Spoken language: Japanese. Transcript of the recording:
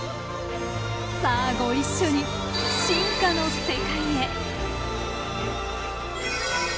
さあご一緒に進化の世界へ！